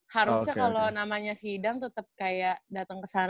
harusnya kalau namanya sidang tetap kayak datang ke sana